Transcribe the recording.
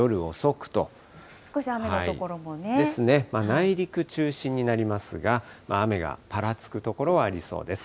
内陸中心になりますが、雨がぱらつく所はありそうです。